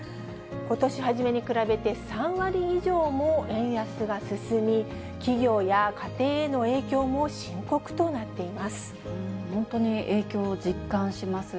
ことし初めに比べて３割以上も円安が進み、企業や家庭への影響も深刻となっています。